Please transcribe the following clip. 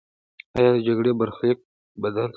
آیا د جګړې برخلیک بدل سو؟